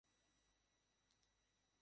মূল অংশ শুরু হবে এখন।